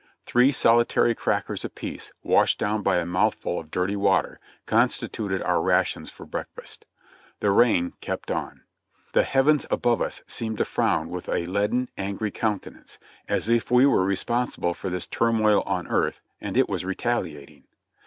Three solitary crackers apiece, washed down by a mouthful of dirty water, constituted our rations for break fast. The rain kept on. The heavens above us seemed to frown with a leaden, angry countenance, as if we were responsible for this turmoil on earth and it was retaliating.